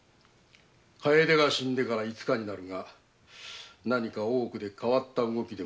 かえでが死んでから五日になるが何か大奥で変わった動きでもあるかな？